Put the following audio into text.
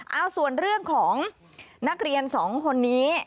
เอาส่วนเรื่องของนักเรียนสองคนนี้